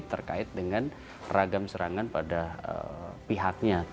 terkait dengan ragam serangan pada pihaknya